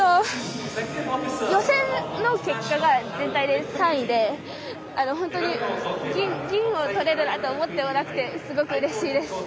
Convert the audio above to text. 予選の結果が全体で３位で本当に銀を取れると思っていなくて、すごくうれしいです。